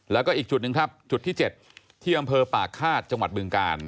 แล้วก็อีกจุดหนึ่งครับจุดที่๗ที่อำเภอปากฆาตจังหวัดบึงกาล